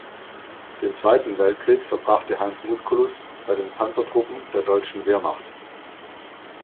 Den Zweiten Weltkrieg verbrachte Heinz Musculus bei den Panzertruppen der deutschen Wehrmacht.